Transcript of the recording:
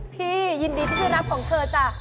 พี่ยินดีที่ช่วยรับของเธอจ๊ะ